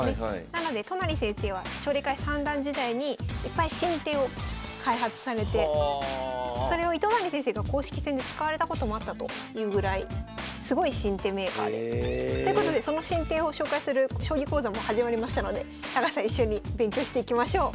なので都成先生は奨励会三段時代にいっぱい新手を開発されてそれを糸谷先生が公式戦で使われたこともあったというぐらいすごい新手メーカーで。ということでその新手を紹介する将棋講座も始まりましたので高橋さん一緒に勉強していきましょう。